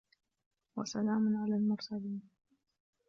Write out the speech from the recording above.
وسلام على المرسلين